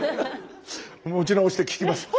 持ち直して聞きます。